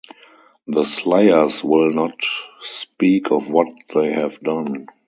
The slayers will not speak of what they have done.